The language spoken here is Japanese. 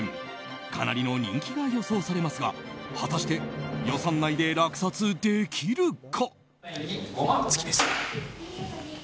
かなりの人気が予想されますが果たして予算内で落札できるか？